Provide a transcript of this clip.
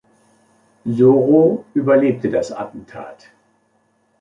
Soro überlebte das Attentat.